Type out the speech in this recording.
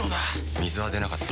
水は出なかった。